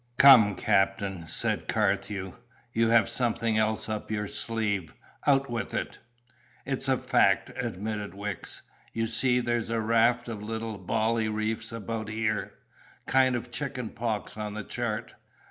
"Come, Captain," said Carthew, "you have something else up your sleeve; out with it!" "It's a fact," admitted Wicks. "You see there's a raft of little bally reefs about here, kind of chicken pox on the chart.